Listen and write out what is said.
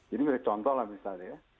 jadi misalnya contoh lah misalnya ya